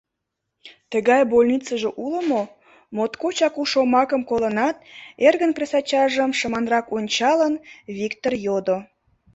— Тыгай больницыже уло мо? — моткочак у шомакым колынат, эргын кресачажым шыманрак ончалын, Виктыр йодо.